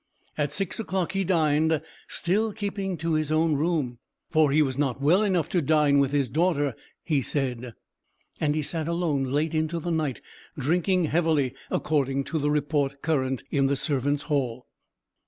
At six o'clock he dined, still keeping to his own room—for he was not well enough to dine with his daughter, he said: and he sat alone late into the night, drinking heavily, according to the report current in the servants' hall.